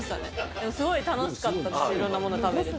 でもすごい楽しかったです、いろんなもの食べれて。